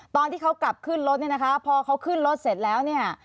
ตอนที่เขากลับขึ้นรถเนี่ยนะคะพอเขาขึ้นรถเสร็จแล้วเนี่ย